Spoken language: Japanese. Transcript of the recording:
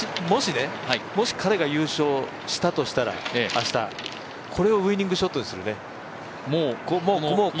もしね、彼が優勝したとしたら明日これをウイニングショットにするね。